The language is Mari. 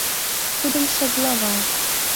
КУДЫМШО ГЛАВА